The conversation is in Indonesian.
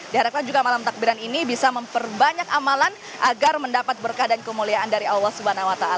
diharapkan juga malam takbiran ini bisa memperbanyak amalan agar mendapat berkah dan kemuliaan dari allah swt